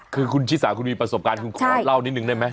คือคุณชิสาคุณมีประสบการณ์คุณขอเล่านิดนึงได้ไหม